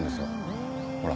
ほら。